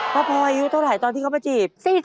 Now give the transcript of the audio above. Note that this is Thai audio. พระพรอยุคเท่าไรตอนที่เขามาจีบ